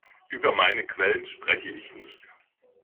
Über meine Quellen spreche ich nicht.